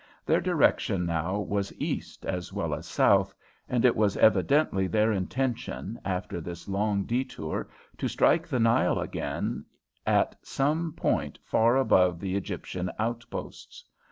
Their direction now was east as well as south, and it was evidently their intention after this long detour to strike the Nile again at some point far above the Egyptian outposts.